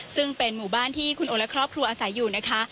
ซึ่งเป็นหมู่บ้านที่คุณโอและครอบครัวอาศัยอยู่นะคะ